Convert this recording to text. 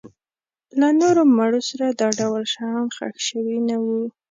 له نورو مړو سره دا ډول شیان ښخ شوي نه وو.